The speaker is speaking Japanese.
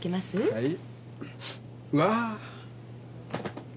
はい。